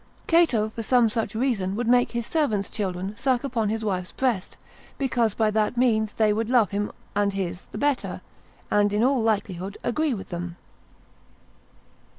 Cato for some such reason would make his servants' children suck upon his wife's breast, because by that means they would love him and his the better, and in all likelihood agree with them.